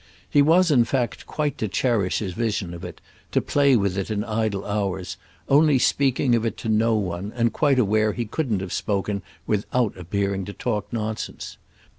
He was in fact quite to cherish his vision of it, to play with it in idle hours; only speaking of it to no one and quite aware he couldn't have spoken without appearing to talk nonsense.